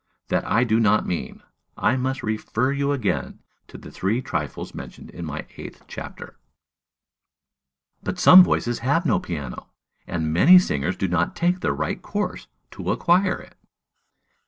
That I do not mean: I must refer you again to the three trifles mentioned in my eighth chapter. "But some voices have no piano, and many singers do not take the right course to acquire it."